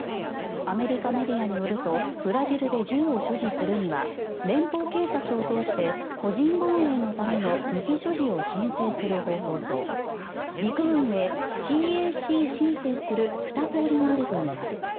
アメリカメディアによるとブラジルで銃を所持するには連邦警察を通して個人防衛のための武器所持を申請する方法と陸軍へＣＡＣ申請する２通りがあるといいます。